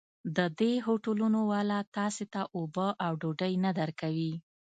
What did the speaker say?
د دې هوټلونو والا تاسې ته اوبه او ډوډۍ نه درکوي.